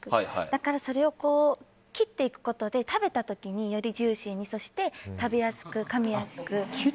だから、それを切っていくことで食べた時に、よりジューシーにそして食べやすく、かみやすく。